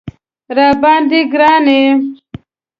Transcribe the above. راباندې ګران یې